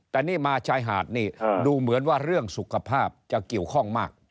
แต่นี่มาชายหาดนี่ดูเหมือนว่าเรื่องสุขภาพจะเกี่ยวข้องมาก